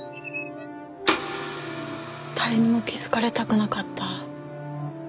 誰にも気づかれたくなかった。